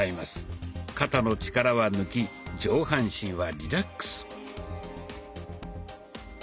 肩の力は抜き上半身はリラックス。